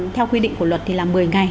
theo quy định của luật thì là một mươi ngày